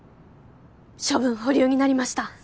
処分保留になりました。